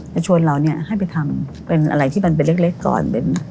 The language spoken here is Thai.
จะชวนเราเนี่ยให้ไปทำเป็นอะไรที่มันเป็นเล็กก่อน